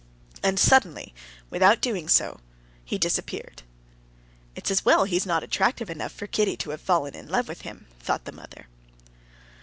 And suddenly, without doing so, he disappeared. "It's as well he's not attractive enough for Kitty to have fallen in love with him," thought the mother.